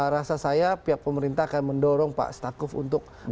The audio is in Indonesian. rasa saya pihak pemerintah akan mendorong pak stakuf untuk